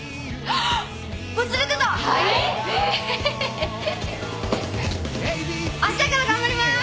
あしたから頑張ります。